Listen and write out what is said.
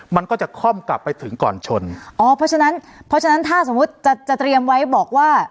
มันก็จะค่อมกลับไปถึงก่อนชนอ๋อเพราะฉะนั้นเพราะฉะนั้นถ้าสมมุติจะจะเตรียมไว้บอกว่า